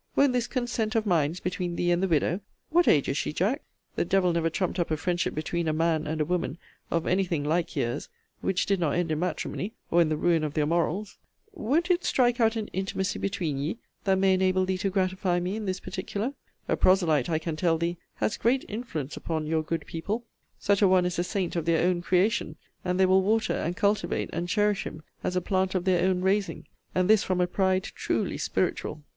Won't this consent of minds between thee and the widow, [what age is she, Jack? the devil never trumpt up a friendship between a man and a woman, of any thing like years, which did not end in matrimony, or in the ruin of their morals!] Won't it strike out an intimacy between ye, that may enable thee to gratify me in this particular? A proselyte, I can tell thee, has great influence upon your good people: such a one is a saint of their own creation: and they will water, and cultivate, and cherish him, as a plant of their own raising: and this from a pride truly spiritual!